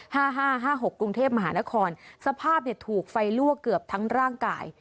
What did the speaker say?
ห้าห้าหกกรุงเทพมหานครสภาพเนี่ยถูกไฟลวกเกือบทั้งร่างกาย